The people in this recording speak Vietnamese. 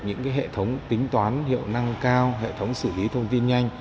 những hệ thống tính toán hiệu năng cao hệ thống xử lý thông tin nhanh